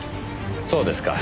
そうですか。